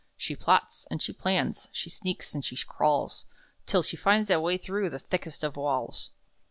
She plots, and she plans, she sneaks, and she crawls Till she finds a way through the thickest of walls!"